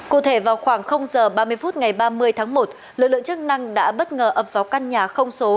cụ thể vào khoảng h ba mươi phút ngày ba mươi tháng một lực lượng chức năng đã bất ngờ ập vào căn nhà không số